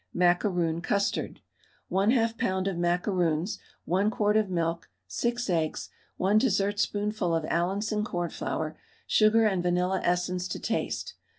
MACAROON CUSTARD. 1/2 lb. of macaroons, 1 quart of milk, 6 eggs, 1 dessertspoonful of Allinson cornflour, sugar and vanilla essence to taste.